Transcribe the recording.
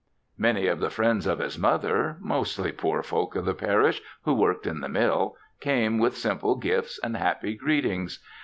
Many of the friends of his mother mostly poor folk of the parish who worked in the mill came with simple gifts and happy greetings.